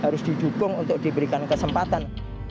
harus didukung untuk diberikan kesempatan